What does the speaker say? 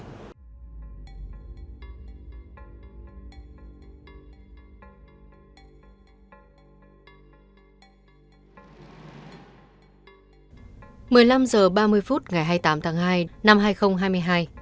một mươi năm h ba mươi phút ngày hai mươi tám tháng hai năm hai nghìn hai mươi hai